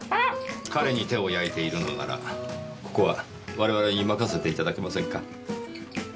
彼に手を焼いているのならここは我々に任せていただけませんか？